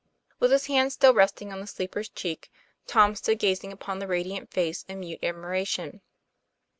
With his hand still resting on the sleeper's cheek, Tom stood gazing upon the radiant face in mute admiration.